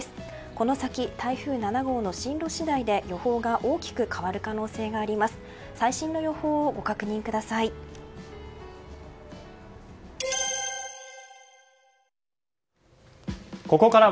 この先、台風７号の進路次第で予報が大きく変わる可能性があります。